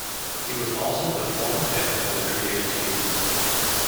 He was also the former head of the creative team.